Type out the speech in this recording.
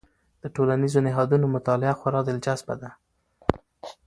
د ټولنیزو نهادونو مطالعه خورا دلچسپ ده.